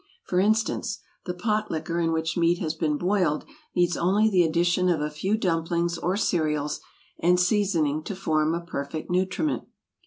For instance, the pot liquor in which meat has been boiled needs only the addition of a few dumplings or cereals, and seasoning, to form a perfect nutriment.